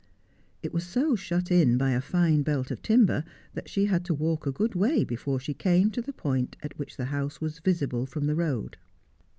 It was so shut in by a fine belt of timber that she had to walk a good way before she came to the point at which the house was visible from the road.